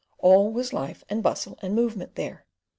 All was life and bustle and movement there.